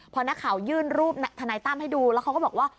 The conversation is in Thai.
พอนักข่าวยื่นรูปทนายตั้มให้ดูแล้วเขาก็บอกว่า